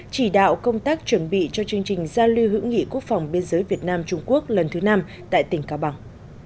chỉ đạo công tác chuẩn bị cho chương trình giao lưu hữu nghị quốc phòng biên giới việt nam trung quốc lần thứ năm tại tỉnh cao bằng